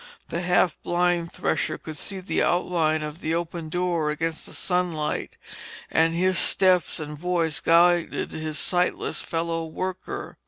The half blind thresher could see the outline of the open door against the sunlight, and his steps and voice guided his sightless fellow worker.